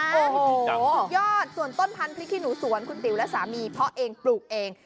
ดีจังสุดยอดส่วนต้นพันธุ์พริกขี้หนูสวนคุณติ๋วและสามีเพราะเองปลูกเอง